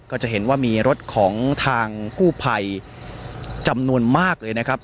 ก็จะเห็นว่ามีรถของทางกู้ภัยจำนวนมากเลยนะครับ